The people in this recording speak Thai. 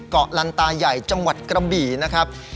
ลันตาใหญ่จังหวัดกระบี่นะครับ